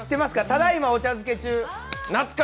ただいまお茶漬け中。